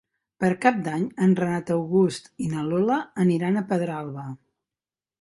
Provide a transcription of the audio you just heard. Per Cap d'Any en Renat August i na Lola aniran a Pedralba.